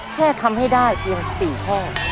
แค่ทำให้ได้เพียง๔ข้อ